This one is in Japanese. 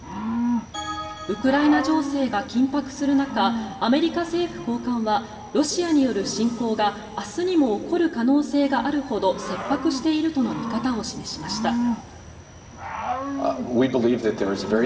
ウクライナ情勢が緊迫する中アメリカ政府高官はロシアによる侵攻が明日にも起こる可能性があるほど切迫しているとの見方を示しました。